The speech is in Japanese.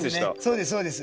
そうですそうです。